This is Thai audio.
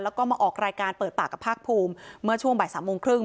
แล้วก็มาออกรายการเปิดปากกับภาคภูมิเมื่อช่วงบ่ายสามโมงครึ่ง